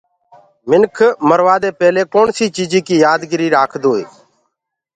انسآن مروآدي پيلي ڪوڻسي چيجي ڪي يآد گري رآکدوئي